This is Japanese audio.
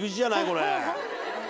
これ。